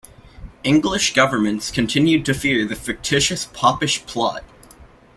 English governments continued to fear the fictitious Popish Plot.